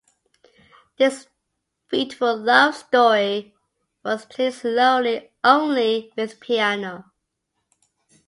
This beautiful love story was played slowly only with piano.